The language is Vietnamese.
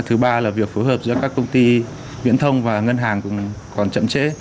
thứ ba là việc phối hợp giữa các công ty viễn thông và ngân hàng còn chậm chế